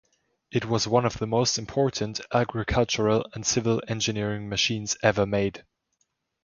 It was one of the most important agricultural and civil engineering machines ever made.